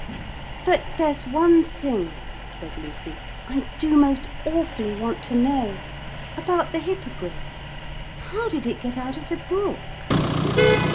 'But there's one thing,' said Lucy, 'I do most awfully want to know. About the Hippogriff. How did it get out of the book?'